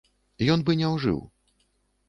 Ён бы не ўжыў.